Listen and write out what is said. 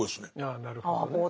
ああなるほどね。